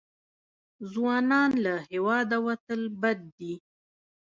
ځوانان له هېواده وتل بد دي.